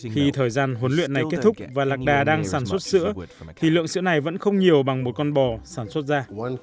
khi thời gian huấn luyện này kết thúc và lạc đà đang sản xuất sữa thì lượng sữa này vẫn không nhiều bằng một con bò sản xuất ra